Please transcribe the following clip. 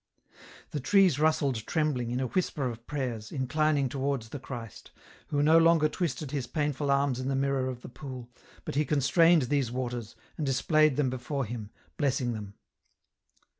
The trees rustled trembling, in a whisper of prayers, inclining towards the Christ, who no longer twisted His painful arms in the mirror of the pool, but He constrained these waters, and displayed them before Him, blessing them.